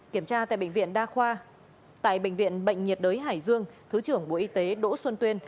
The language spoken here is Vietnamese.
kiểm tra tại bệnh viện đa khoa tại bệnh viện bệnh nhiệt đới hải dương thứ trưởng bộ y tế đỗ xuân tuyên